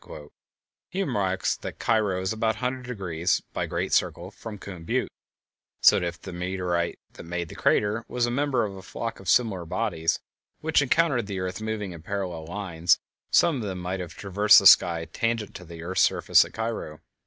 He remarks that Cairo is about 100°, by great circle, from Coon Butte, so that if the meteorite that made the crater was a member of a flock of similar bodies which encountered the earth moving in parallel lines, some of them might have traversed the sky tangent to the earth's surface at Cairo.